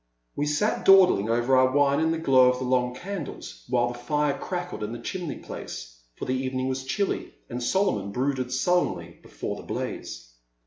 We sat dawdling over our wine in the glow of the long candles while the fire crackled in the chimney place ; for the evening was chilly, and Solomon brooded sullenly before the blaze.